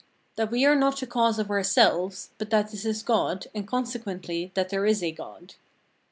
XX. That we are not the cause of ourselves, but that this is God, and consequently that there is a God.